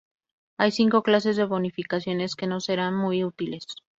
Hay cinco clases de bonificaciones, que nos serán muy útiles.